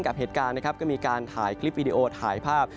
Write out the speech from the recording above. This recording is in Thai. กับเหตุการณ์นะครับก็มีการถ่ายคลิปวิดีโอถ่ายภาพ